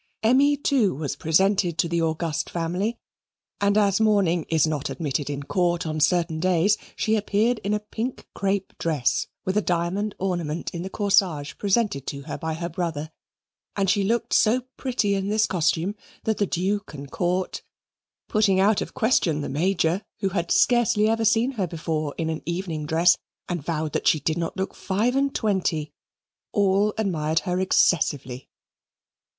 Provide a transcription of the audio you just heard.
Emmy, too, was presented to the august family, and as mourning is not admitted in Court on certain days, she appeared in a pink crape dress with a diamond ornament in the corsage, presented to her by her brother, and she looked so pretty in this costume that the Duke and Court (putting out of the question the Major, who had scarcely ever seen her before in an evening dress, and vowed that she did not look five and twenty) all admired her excessively.